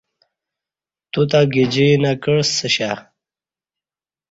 توتہ گجی نہ کع سشا